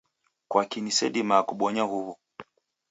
Kwaki nisedimaa kubonya huw'u?